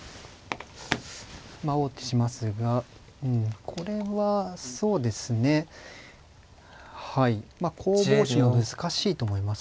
まあ王手しますがうんこれはそうですねはいまあ攻防手も難しいと思います。